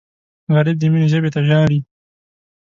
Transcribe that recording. غریب د مینې ژبې ته ژاړي